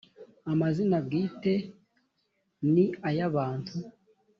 amazina bwite ni ay’ abantu